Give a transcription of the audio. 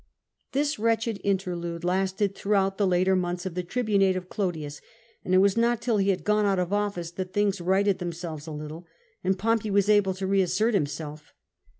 This wretclicd interlude lasted throughout the later months of the tribunate of Clodius, and it was not till he had gone out of ofllcc that things righted tliemselves a little, and Pomjiey was able to I'casscrt himself.